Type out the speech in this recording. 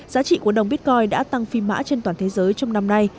giá trị của đồng bitcoin đã tăng phi mã trên toàn thế giới trong năm nay